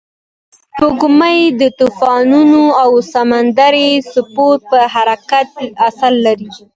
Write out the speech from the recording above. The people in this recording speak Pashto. سپوږمۍ د طوفانونو او سمندري څپو پر حرکت اثر لري